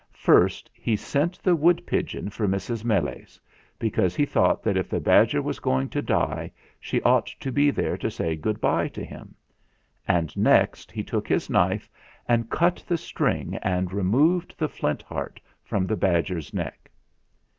First he sent the wood pigeon for Mrs. Meles, because he thought that if the badger was going to die she ought to be there to say "good bye" to him; and next he took his knife and cut the string and removed the Flint Heart from the badger's neck.